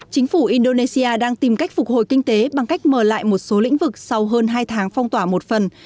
chính phủ indonesia đang tìm cách phục hồi kinh tế bằng cách mờ lại một số lĩnh vực sau hơn hai tháng phong tỏa một phần